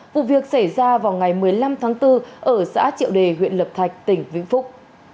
vụ việc xảy ra vào ngày một mươi năm tháng bốn ở xã triệu đề huyện lập thạch tỉnh vĩnh phúc